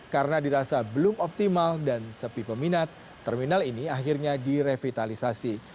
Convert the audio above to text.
karena dirasa belum optimal dan sepi peminat terminal ini akhirnya direvitalisasi